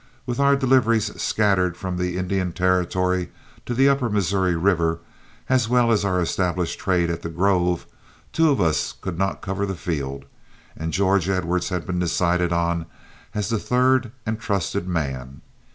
With our deliveries scattered from the Indian Territory to the upper Missouri River, as well as our established trade at The Grove, two of us could not cover the field, and George Edwards had been decided on as the third and trusted man.